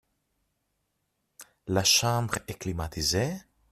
La chambre est climatisée ?